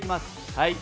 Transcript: はい！